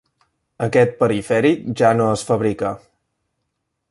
Aquest perifèric ja no es fabrica.